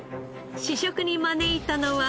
試食に招いたのは。